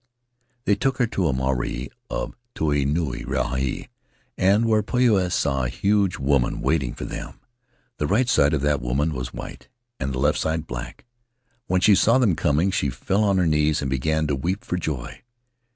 "They took her to the marae of Tai Nuu Rahi, and there Poia saw a huge woman waiting for them. The right side of that woman was white, and the left side black; when she saw them coming she fell on her knees and began to weep for joy.